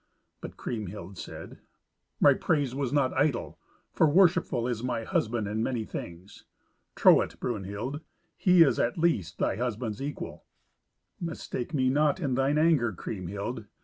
But Kriemhild said, "My praise was not idle; for worshipful is my husband in many things. Trow it, Brunhild. He is, at the least, thy husband's equal." "Mistake me not in thine anger, Kriemhild.